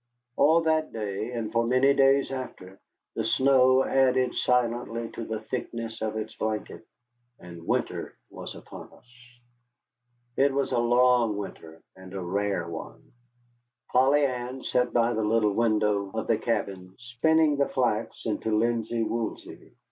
All that day, and for many days after, the snow added silently to the thickness of its blanket, and winter was upon us. It was a long winter and a rare one. Polly Ann sat by the little window of the cabin, spinning the flax into linsey woolsey.